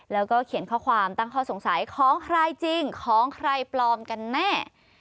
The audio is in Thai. แล้วก็เขียนข้อความตั้งข้อสงสัยของใครจริงของใครปลอมกันแน่